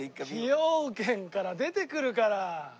崎陽軒から出てくるから。